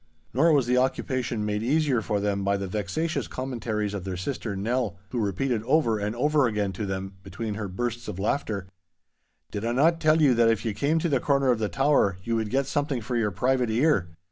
Nor was the occupation made easier for them by the vexatious commentaries of their sister Nell, who repeated over and over again to them, between her bursts of laughter, 'Did I not tell you that if ye came to the corner of the tower ye would get something for your private ear?